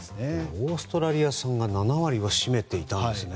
オーストラリア産が７割を占めていたんですね。